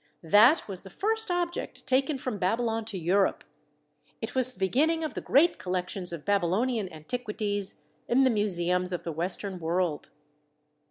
That was the first object taken from Babylon to Europe; it was the beginning of the great collections of Babylonian antiquities in the museums of the Western world.